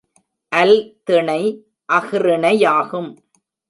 அல் திணை அஃறிணையாகும்.